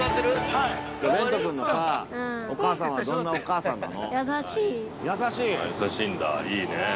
◆れんと君のさあ、お母さんはどんなお母さんなの？